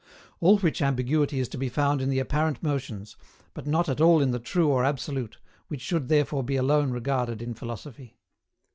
All which ambiguity is to be found in the apparent motions, but not at all in the true or absolute, which should therefore be alone regarded in philosophy.